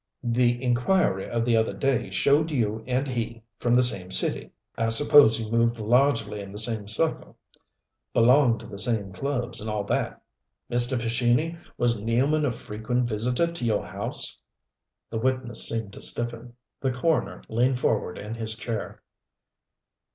"The inquiry of the other day showed you and he from the same city. I suppose you moved largely in the same circle. Belonged to the same clubs, and all that? Mr. Pescini, was Nealman a frequent visitor to your house?" The witness seemed to stiffen. The coroner leaned forward in his chair.